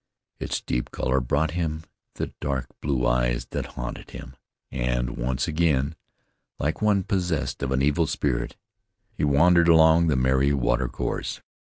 Its deep color brought to him the dark blue eyes that haunted him, and once again, like one possessed of an evil spirit, he wandered along the merry water course.